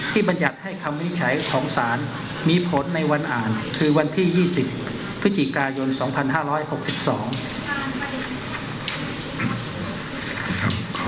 ที่บัญญัติให้คำวินิจฉัยของศาสตร์มีผลในวันอ่านคือวันที่๒๐พศ๒๕๖๒